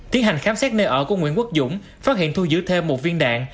tiến hành khám xét nơi ở của nguyễn quốc dũng phát hiện thu giữ thêm một viên đạn